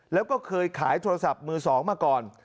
แล้วก็เคยขายโทรศัพท์มือ๒มาก่อน